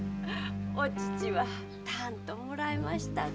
お乳はたんともらえましたか？